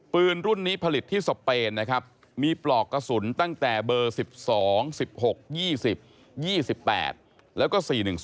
ปืนรุ่นนี้ผลิตที่สเปนนะครับมีปลอกกระสุนตั้งแต่เบอร์๑๒๑๖๒๐๒๘แล้วก็๔๑๒